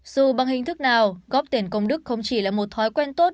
dù bằng hình thức nào góp tiền công đức không chỉ là một thói quen tốt